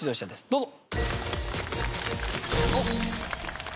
どうぞ。